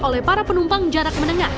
oleh para penumpang jarak menengah